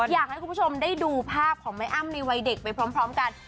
อยากให้คุณผู้ชมได้ดูภาพของแม่อ้ำในวัยเด็กไปพร้อมกัน